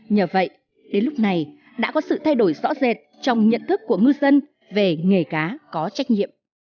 nhờ vậy đến lúc này đã có sự thay đổi rõ rệt trong nhận thức của ngư dân về nghề cá có trách nhiệm